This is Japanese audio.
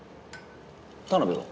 田辺は？